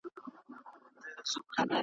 هر یوه ته نیمايی برخه رسیږي .